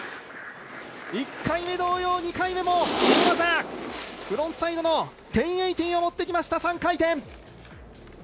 １回目同様、２回目も大技フロントサイドの１０８０を持ってきました、３回転。